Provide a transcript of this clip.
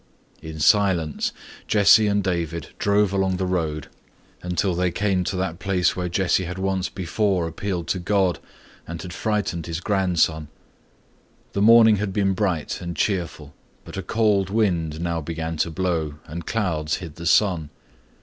In silence Jesse and David drove along the road until they came to that place where Jesse had once before appealed to God and had frightened his grandson. The morning had been bright and cheerful, but a cold wind now began to blow and clouds hid the sun.